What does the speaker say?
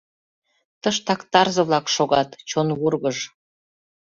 Тыштак тарзе-влак шогат, чон вургыж